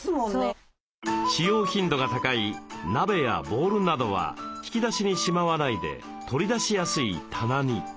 使用頻度が高い鍋やボウルなどは引き出しにしまわないで取り出しやすい棚に。